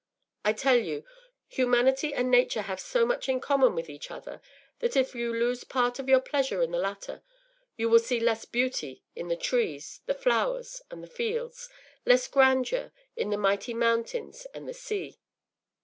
I tell you, humanity and nature have so much in common with each other that if you lose part of your pleasure in the latter; you will see less beauty in the trees, the flowers, and the fields, less grandeur in the mighty mountains and the sea.